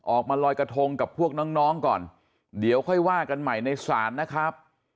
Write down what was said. ออกมาลอยกระทงกับพวกน้องน้องก่อนเดี๋ยวค่อยว่ากันใหม่ในศาลนะครับ